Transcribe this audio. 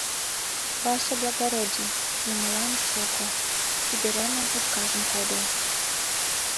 Ваше благороди, юмылан шого, ӱдыремын ужгажым кодо.